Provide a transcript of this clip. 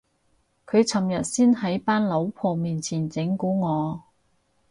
佢尋日先喺班老婆面前整蠱我